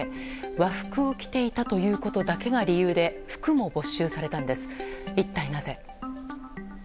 和服を着ていたということだけが理由で服も没収されたんです。